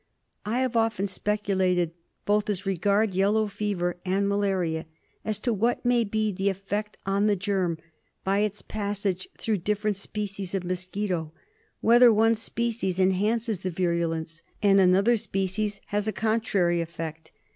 I have often speculated, both as regards yellow fever and malaria, as to what may be the effect on the germ by its passage through different species of mosquito, whether one species enhances the virulence, and another species has a con trary effect.